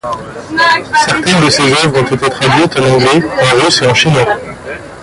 Certaines de ses œuvres ont été traduites en anglais, en russe et en chinois.